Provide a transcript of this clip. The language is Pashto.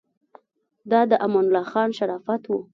دا د امان الله خان شرافت و.